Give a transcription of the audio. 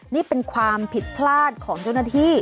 นี่เป็นความผิดพลาดของเจ้าหน้าที่